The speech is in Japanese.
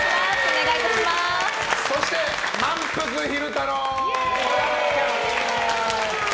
そして、まんぷく昼太郎！